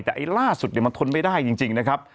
แต่ไอ้ล่าสุดมันทนไม่ได้จริงนะครับ